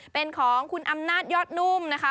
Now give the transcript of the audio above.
เป็นของคุณอำนาจยอดนุ่มนะคะ